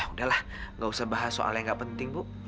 udah lah enggak usah bahas soal yang enggak penting bu